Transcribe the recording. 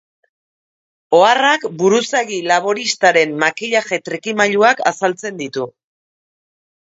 Oharrak buruzagi laboristaren makillaje trikimailuak azaltzen ditu.